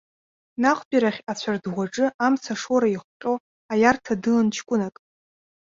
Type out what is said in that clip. Наҟтәирахь ацәардӷәаҿы, амцашоура ихҟьо, аиарҭа дылан ҷкәынак.